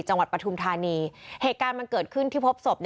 ปฐุมธานีเหตุการณ์มันเกิดขึ้นที่พบศพ